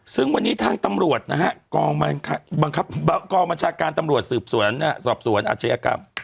ซึ่งวันนี้ทางตำรวจนะฮะกองบัญชาการบังคับกองบัญชาการตำรวจสืบสวนสอบสวนอาชญากรรม